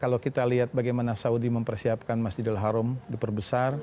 kalau kita lihat bagaimana saudi mempersiapkan masjidil haram diperbesar